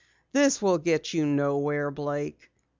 "This will get you nowhere, Blake."